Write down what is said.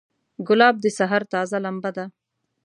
ګلاب د سحر تازه لمبه ده.